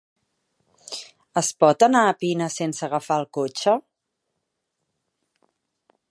Es pot anar a Pina sense agafar el cotxe?